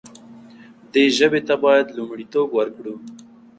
دې ژبې ته باید لومړیتوب ورکړو.